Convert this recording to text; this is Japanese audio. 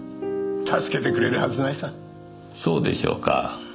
そうでしょうか？